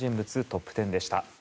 トップ１０でした。